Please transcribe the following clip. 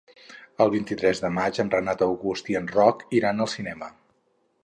El vint-i-tres de maig en Renat August i en Roc iran al cinema.